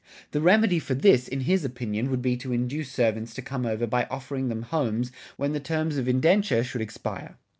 The remedy for this, in his opinion, would be to induce servants to come over by offering them homes when the terms of indenture should expire.